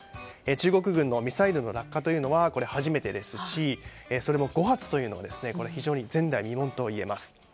中国軍のミサイルの落下というのは初めてですしそれも５発というのは非常に前代未聞と言えます。